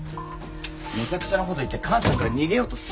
めちゃくちゃなこと言って母さんから逃げようとすんなよ。